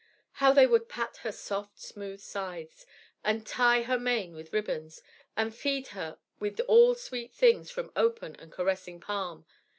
How they would pat her soft, smooth sides, and tie her mane with ribbons, and feed her with all sweet things from open and caressing palm!